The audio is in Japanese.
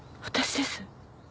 私です。